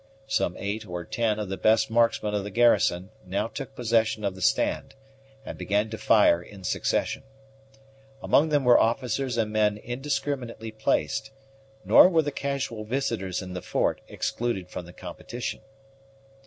Some eight or ten of the best marksmen of the garrison now took possession of the stand, and began to fire in succession. Among them were officers and men indiscriminately placed, nor were the casual visitors in the fort excluded from the competition.